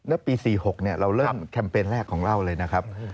ในปี๑๘๔๖เราเริ่มแคมเปญแรกของเหล้าเลยนะครับ